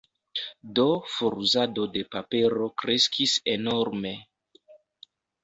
Do foruzado de papero kreskis enorme.